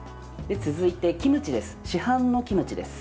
続いて市販のキムチです。